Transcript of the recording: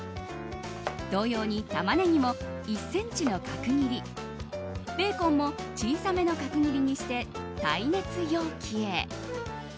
同様にタマネギも１ｃｍの角切りベーコンも小さめの角切りにして耐熱容器へ。